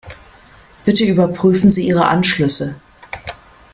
Bitte überprüfen Sie Ihre Anschlüsse.